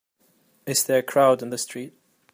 Is there a crowd in the street?